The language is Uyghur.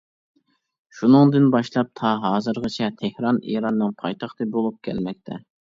شۇنىڭدىن باشلاپ تا ھازىرغىچە تېھران ئىراننىڭ پايتەختى بولۇپ كەلمەكتە.